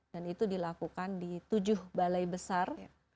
dan itu dilakukan di tujuh balai besar